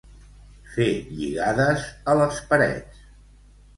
Fer lligades a les parets.